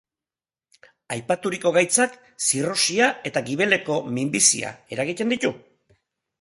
Aipaturiko gaitzak zirrosia eta gibeleko minbizia eragiten ditu.